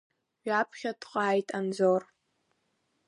Ҩаԥхьа дҟааит Анзор.